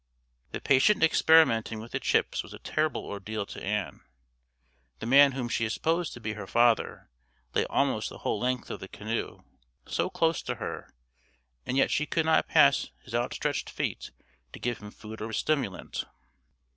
The patient experimenting with the chips was a terrible ordeal to Ann. The man whom she supposed to be her father lay almost the whole length of the canoe so close to her, and yet she could not pass his outstretched feet to give him food or stimulant.